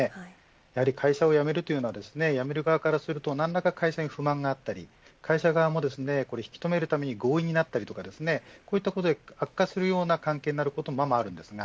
やはり会社を辞めるのは辞める側からすると何らか会社に不満があったり会社側も引き止めるために強引になったりこうしたことで悪化するような関係になることもあるんですが。